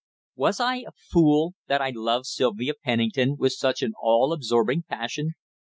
Was I a fool, that I loved Sylvia Pennington with such an all absorbing passion?